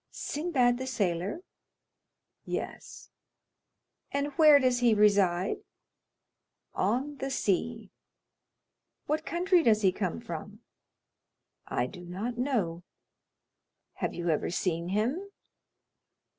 "Sinbad the Sailor?" "Yes." "And where does he reside?" "On the sea." "What country does he come from?" "I do not know." "Have you ever seen him?"